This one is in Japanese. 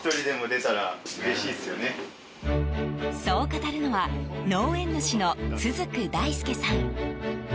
そう語るのは農園主の都竹大輔さん。